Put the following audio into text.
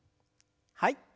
はい。